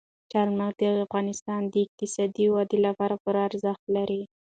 چار مغز د افغانستان د اقتصادي ودې لپاره پوره ارزښت لري.